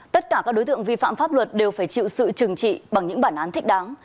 tất cả các đối tượng vi phạm pháp luật đều phải chịu sự trừng trị bằng những bản án thích đáng